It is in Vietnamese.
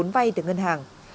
vốn vay từ ngân hàng